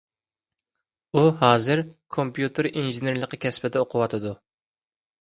ئۇ ھازىر كومپيۇتېر ئىنژېنېرلىقى كەسپىدە ئوقۇۋاتىدۇ.